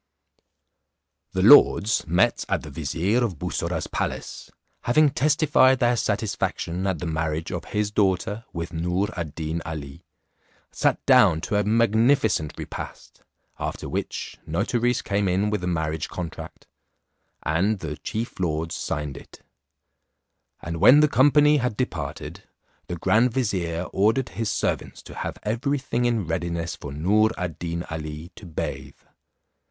The lords met at the vizier of Bussorah's palace, having testified their satisfaction at the marriage of his daughter with Noor ad Deen Ali, sat down to a magnificent repast, after which, notaries came in with the marriage contrast, and the chief lords signed it; and when the company had departed, the grand vizier ordered his servants to have every thing in readiness for Noor ad Deen Ali, to bathe.